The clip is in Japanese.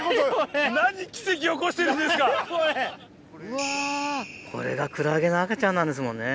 うわこれがクラゲの赤ちゃんなんですもんね。